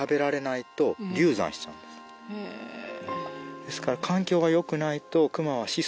ですから。